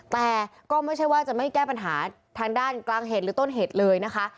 แต่ก็ไม่ใช่ว่าจะไม่แก้ปัญหาทางด้านกลางเหตุหรือต้นเหตุเลยนะคะ